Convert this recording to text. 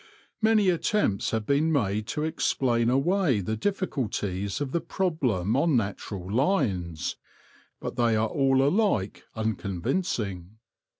Many attempts have been made to explain away the difficulties of the problem on natural lines, but they are all alike unconvincing.